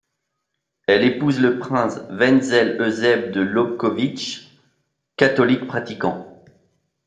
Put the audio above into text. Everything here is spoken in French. Elle épouse le prince Wenzel-Eusèbe de Lobkowicz, catholique pratiquant.